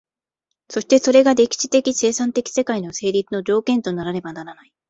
そしてそれが歴史的生産的世界の成立の条件とならねばならない。